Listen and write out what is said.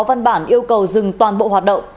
văn bản yêu cầu dừng toàn bộ hoạt động